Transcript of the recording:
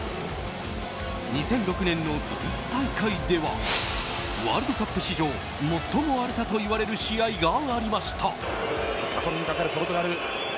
２００６年のドイツ大会ではワールドカップ史上最も荒れたといわれる試合がありました。